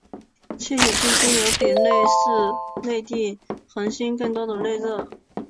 气体巨星有比类地行星更多的内热。